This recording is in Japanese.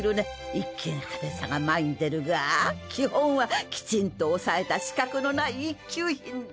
一見派手さが前に出るが基本はきちんと押さえた死角のない一級品だ。